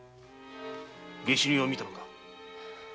下手人を見たのか？